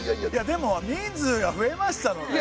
でも人数が増えましたので。